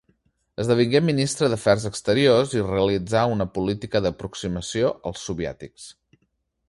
Esdevingué ministre d'Afers Exteriors i realitzà una política d'aproximació als soviètics.